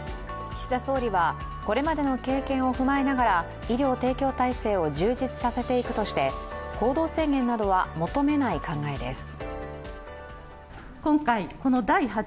岸田総理はこれまでの経験を踏まえながら医療提供体制を充実させていくとして行動制限などは求めない考えです。